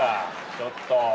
ちょっと！